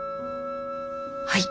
はい。